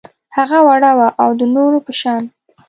هغه وړه وه او د نورو په شان